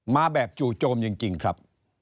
มาแบบจู่โจมจริงครับ